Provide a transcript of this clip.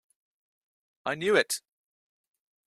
I knew it!